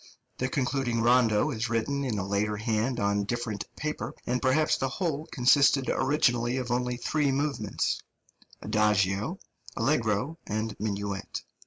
The concluding rondo is written in a later hand on different paper; and perhaps the whole consisted originally of only three movements adagio, allegro and minuet.